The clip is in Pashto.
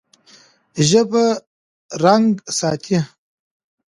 ژبه رنګ ساتي.